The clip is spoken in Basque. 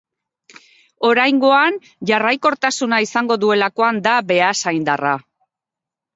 Oraingoan jarraikortasuna izango duelakoan da beasaindarra.